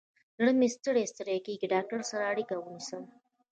زړه مې ستړی ستړي کیږي، ډاکتر سره اړیکه ونیسه